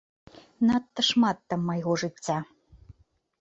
Надта шмат там майго жыцця.